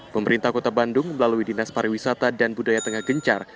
pemerintah kota bandung melalui dinas pariwisata dan budaya tengah gencar